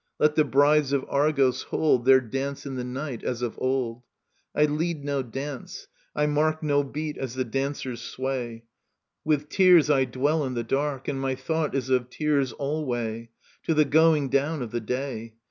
Let the brides of Argos hold Their dance in the night, as of old ; I lead no dance ; I mark No beat as the dancers sway ; With tears I dwell in the dark. And my thought is of tears alway. To the going down of the day.